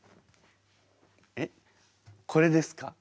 えっこれですか？